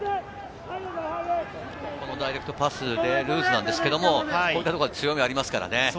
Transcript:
ダイレクトパスでルーズなんですけれど、こういったところは強みがあります。